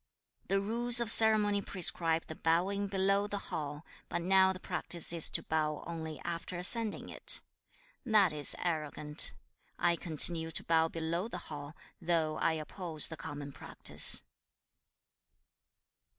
2. 'The rules of ceremony prescribe the bowing below the hall, but now the practice is to bow only after ascending it. That is arrogant. I continue to bow below the hall, though I oppose the common practice.'